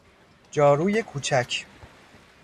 جاروی کوچک